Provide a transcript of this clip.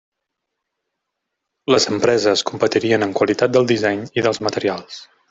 Les empreses competirien en qualitat del disseny i dels materials.